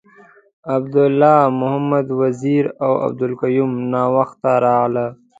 عبید الله محمد وزیر اوعبدالقیوم ناوخته راغله .